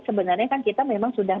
sebenarnya kita memang sudah